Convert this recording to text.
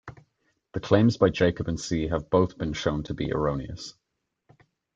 The claims by Jacob and See have both been shown to be erroneous.